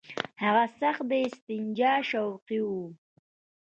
هغه سخت د استنجا شوقي وو.